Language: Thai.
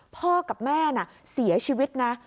พ่อกับแม่น่ะเสียชีวิตนะ